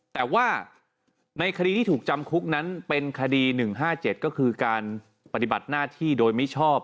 แต่ว่าในคดีที่ถูกจำคุกนั้นเป็นคดี๑๕๗ก็คือการปฏิบัติหน้าที่โดยมิชอบ